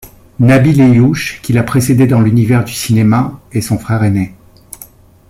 Nabil Ayouch, qui l'a précédé dans l'univers du cinéma, est son frère aîné.